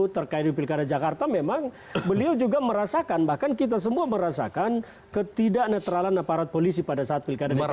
terkait dengan pilkada jakarta memang beliau juga merasakan bahkan kita semua merasakan ketidak netralan aparat polisi pada saat pilkada dki jakarta